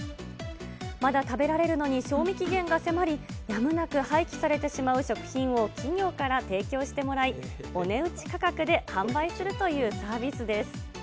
まだ食べられるのに賞味期限が迫り、やむなく廃棄されてしまう食品を企業から提供してもらい、お値打ち価格で販売というサービスです。